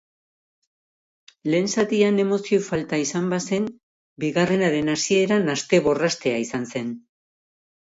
Lehen zatian emozioa falta izan bazen, bigarrenaren hasiera nahaste-borrastea izan zen.